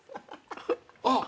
あっ！